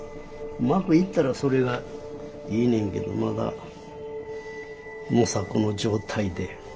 うまくいったらそれがいいねんけどまだ模索の状態で。